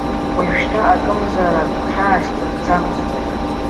Уажәшьҭа акымзарак хьаас илкӡамызт.